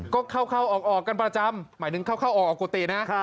ก็เข้าออกกันประจำหมายถึงเข้าออกออกกุฏินะ